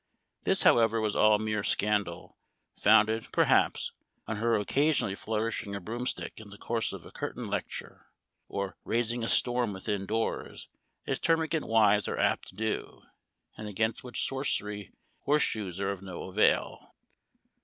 This, however, was all mere scandal, founded, per haps, on her occasionally flourishing a broom stick in the course of a curtain lecture, or rais ing a storm within doors, as termagant wives are apt to do, and against which sorcery horse shoes are of no avail.